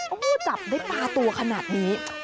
โอ้โหจับได้ปลาตัวขนาดนี้